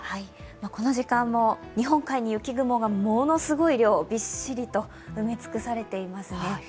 この時間、日本海に雪雲がものすごい量、びっしりと埋め尽くされていますね。